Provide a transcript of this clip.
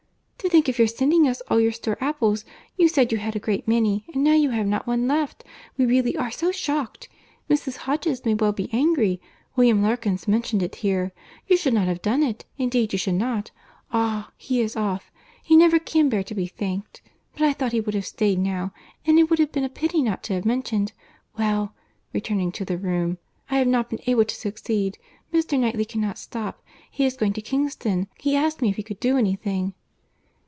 "To think of your sending us all your store apples. You said you had a great many, and now you have not one left. We really are so shocked! Mrs. Hodges may well be angry. William Larkins mentioned it here. You should not have done it, indeed you should not. Ah! he is off. He never can bear to be thanked. But I thought he would have staid now, and it would have been a pity not to have mentioned.... Well, (returning to the room,) I have not been able to succeed. Mr. Knightley cannot stop. He is going to Kingston. He asked me if he could do any thing...."